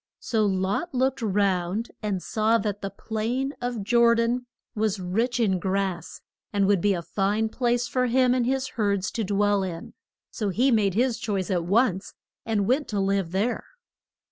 So Lot looked round and saw that the plain of Jor dan was rich in grass, and would be a fine place for him and his herds to dwell in; so he made his choice at once, and went to live there.